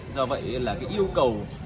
do vậy là cái yêu cầu